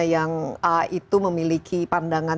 yang a itu memiliki pandangan